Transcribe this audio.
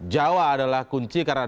jawa adalah kunci karena